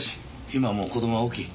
今はもう子供は大きい。